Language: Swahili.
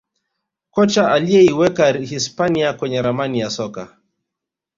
Kocha aliyeiweka hispania kwenye ramani ya soka